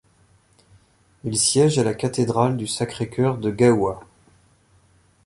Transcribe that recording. Il siège à la Cathédrale du Sacré-Cœur de Gaoua.